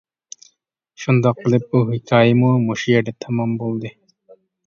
شۇنداق قىلىپ بۇ ھېكايىمۇ مۇشۇ يەردە تامام بولدى.